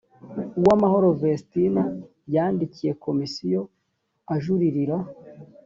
uwamahoro vestine yandikiye komisiyo ajuririra